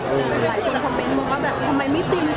หลายส่วนของเป็นมึงว่าทำไมไม่เตรียมตัว